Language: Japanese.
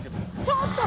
ちょっと！